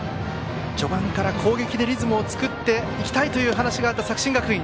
序盤から攻撃でリズムを作りたいという話があった作新学院。